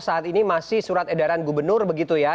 saat ini masih surat edaran gubernur begitu ya